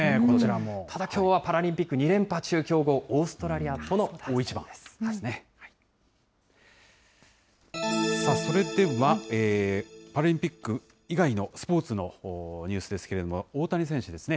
ただ、きょうはパラリンピック２連覇中、強豪、オーストラリアとそれでは、パラリンピック以外のスポーツのニュースですけれども、大谷選手ですね。